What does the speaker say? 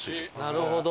なるほど。